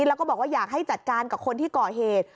แล้วก็บอกว่าอยากให้จัดการกับคนที่ก่อเหตุ